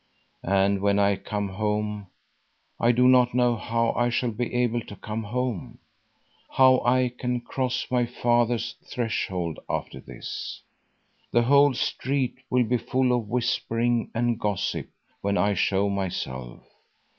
And when I come home—I do not know how I shall be able to come home; how I can cross my father's threshold after this. The whole street will be full of whispering and gossip when I show myself.